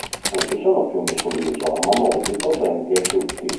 Non ci sono fiumi sull'isola, ma molti torrenti asciutti.